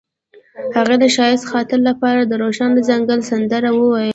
هغې د ښایسته خاطرو لپاره د روښانه ځنګل سندره ویله.